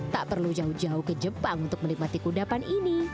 tak perlu jauh jauh ke jepang untuk menikmati kudapan ini